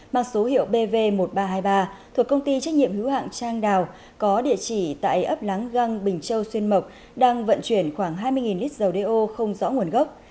mang số hiệu bv một nghìn ba trăm hai mươi ba thuộc công ty trách nhiệm hữu hạng trang đào có địa chỉ tại ấp láng găng bình châu xuyên mộc đang vận chuyển khoảng hai mươi lít dầu đeo không rõ nguồn gốc